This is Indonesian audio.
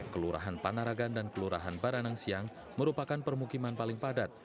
kelurahan panaragan dan kelurahan baranangsiang merupakan permukiman paling padat